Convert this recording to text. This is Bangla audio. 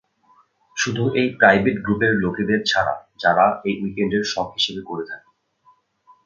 শুধু এই প্রাইভেট গ্রুপের লোকেদের ছাড়া যারা এটা উইকএন্ডের শখ হিসেবে করে থাকে।